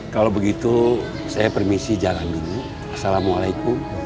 kalau begitu saya permisi jalan dulu assalamualaikum